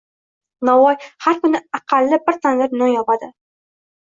Novvoy har kuni aqalli bir tandir non yopadi…